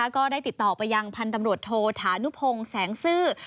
ก็ได้ติดต่อไปยังพันธุ์ตำรวจโทฐานุพงศ์แสงซื่อ